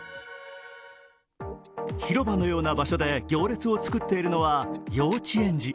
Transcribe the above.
広場のような場所で行列を作っているのは幼稚園児。